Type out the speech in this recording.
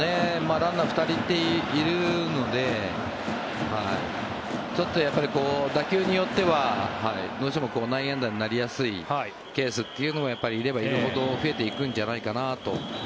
ランナー２人いるのでちょっと打球によってはどうしても内野安打になりやすいケースっていうのはやっぱりいればいるほど増えていくんじゃないかなと。